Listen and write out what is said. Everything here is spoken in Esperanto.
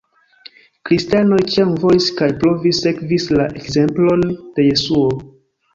Kristanoj ĉiam volis kaj provis sekvis la ekzemplon de Jesuo.